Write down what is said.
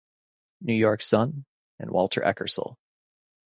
"New York Sun" and Walter Eckersall.